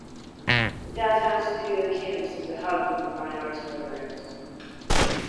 The Downtown Studio Campus is a hub for the fine arts programs.